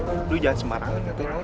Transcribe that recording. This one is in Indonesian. eh lu jahat sembarangan